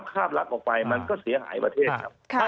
คราบรักออกไปมันก็เสียหายประเทศครับ